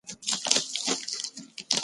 څو قبرونه په میوند کې دي؟